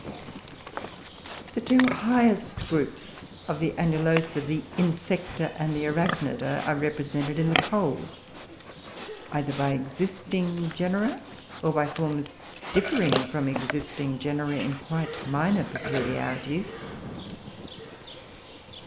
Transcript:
The two highest groups of the Annulosa, the Insecta and the Arachnida, are represented in the Coal, either by existing genera, or by forms differing from existing genera in quite minor peculiarities.